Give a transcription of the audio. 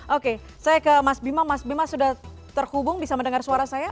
oke saya ke mas bima mas bima sudah terhubung bisa mendengar suara saya